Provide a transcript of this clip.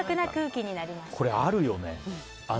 これ、あるよね。